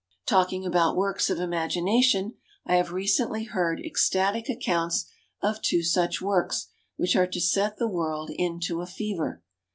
« Talking about works of imagination, I have recently heard ecstatic accounts of two such works which are to set the world into a fever.